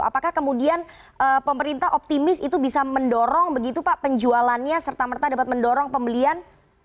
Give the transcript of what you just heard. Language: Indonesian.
apakah kemudian pemerintah optimis itu bisa mendorong begitu pak penjualannya serta merta dapat mendorong pembelian